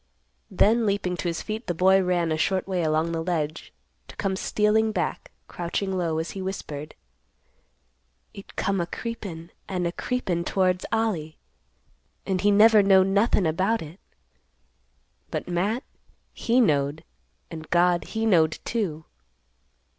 Then leaping to his feet the boy ran a short way along the ledge, to come stealing back, crouching low, as he whispered, "It come a creepin' and a creepin' towards Ollie, and he never knowed nothin' about it. But Matt he knowed, and God he knowed too."